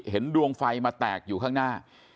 ดวงไฟมาแตกอยู่ข้างหน้า